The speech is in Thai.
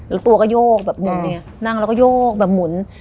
แล้วตัวก็โยกแบบหมุนไงนั่งแล้วก็โยกแบบหมุน